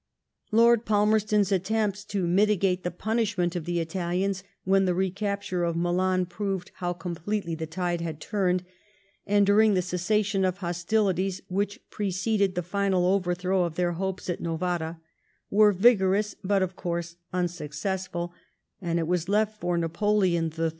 Lord Palmerston's attempts to mitigate the punishment of the Italians, when the recapture of Milan proved how completely the tide had turned, and during the cessation of hostilities which preceded the final overthrow of their hopes at Novara, were vigorous, but of course unsuccessful ; and it was left for Napoleon III.